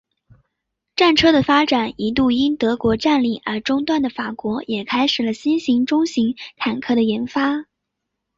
战车的发展一度因德国占领而中断的法国也开始了新型中型坦克的研发。